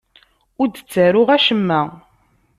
Ur d-ttaruɣ acemma.